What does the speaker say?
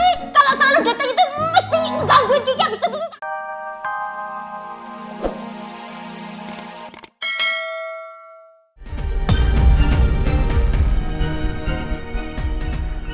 kalau selalu datang itu mesti ngangguin kiki abis itu